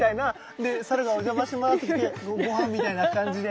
でサルが「おじゃまします」って言ってごはんみたいな感じで。